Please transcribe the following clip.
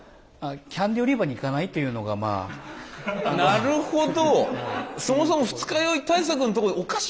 なるほど。